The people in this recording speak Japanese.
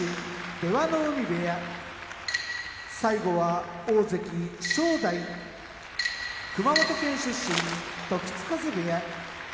出羽海部屋大関・正代熊本県出身時津風部屋